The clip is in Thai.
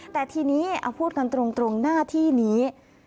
แต่ทีนี้เอาพูดกันตรงหน้าที่นี้